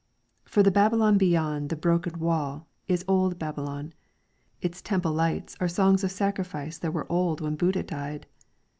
For the Babylon beyond the broken wall is Old Babylon ; its temple lights are Songs of Sacrifice that were old when Buddha died.